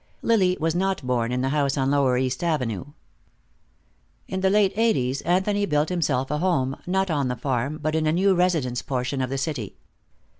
Lily was not born in the house on lower East Avenue. In the late eighties Anthony built himself a home, not on the farm, but in a new residence portion of the city.